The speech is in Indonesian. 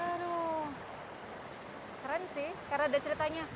aduh keren sih karena ada ceritanya